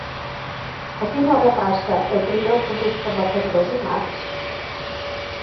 A quina hora passa el primer autobús per la Febró dimarts?